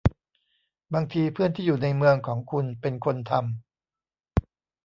บางทีเพื่อนที่อยู่ในเมืองของคุณเป็นคนทำ